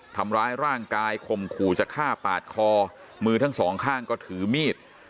ทำร้ายร่างกายคมขู่จะฆ่าปาดคอมือทั้งสองข้างก็ถือมีด